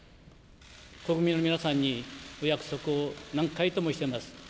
国民の皆さんにお約束を何回ともしてます。